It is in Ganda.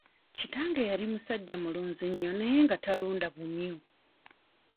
Kitange yali musajja mulunzi nnyo naye nga talunda bumyu.